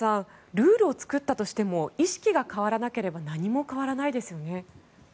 ルールを作ったとしても意識が変わらなければ何も変わらないですよね。